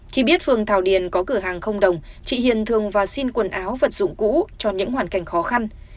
khi biết phường thảo điền có cửa hàng không đồng chị hiền thường và xin quần áo vật dụng cũ cho những hoàn cảnh khó khăn